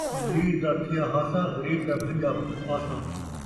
امیر دا تھیا ہاسا، غریب دا بھڄا پاسا